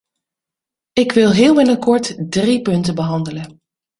Ik wil heel in het kort drie punten behandelen.